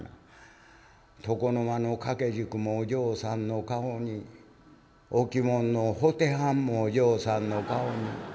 床の間の掛け軸もお嬢さんの顔に置き物の布袋はんもお嬢さんの顔に」。